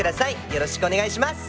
よろしくお願いします。